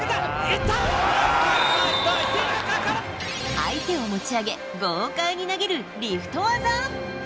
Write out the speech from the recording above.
相手を持ち上げ豪快に投げるリフト技。